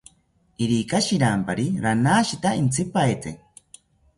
Irika shirampari ranashita intzipaete